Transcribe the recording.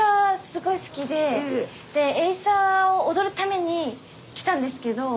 すごい好きででエイサーを踊るために来たんですけど。